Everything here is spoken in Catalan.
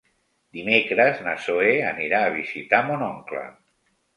Dimecres na Zoè anirà a visitar mon oncle.